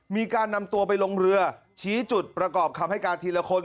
มีการนำตัวไปลงเรือชี้จุดประกอบคำให้การทีละคน